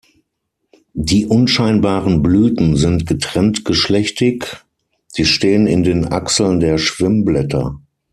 Die unscheinbaren Blüten sind getrenntgeschlechtig; sie stehen in den Achseln der Schwimmblätter.